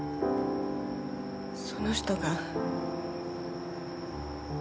その人が。